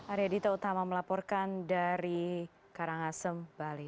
arya dita utama melaporkan dari karangasem bali